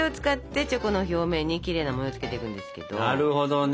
なるほどね。